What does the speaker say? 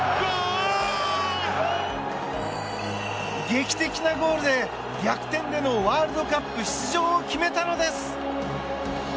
劇的なゴールで逆転でのワールドカップ出場を決めたのです！